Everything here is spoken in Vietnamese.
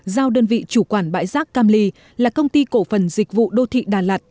giao đơn vị chủ quản bãi rác cam ly là công ty cổ phần dịch vụ đô thị đà lạt